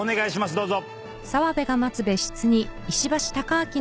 どうぞ。